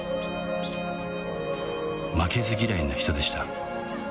負けず嫌いな人でした